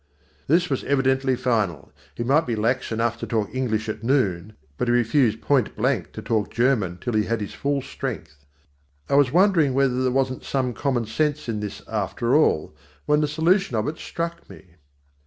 This was evidently final. He might be lax enough to talk English at noon, but he refused point blank to talk German till he had his full strength. I was just wondering whether there wasn't some common sense in this after all, when the solution of it struck me.